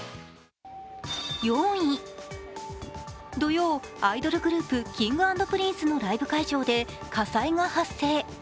４位、土曜、アイドルグループＫｉｎｇ＆Ｐｒｉｎｃｅのライブ会場で火災が発生。